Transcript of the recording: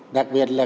đặc biệt là